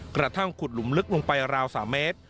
กระทั่งขุดหลุมลึกลงไปราว๓เมตร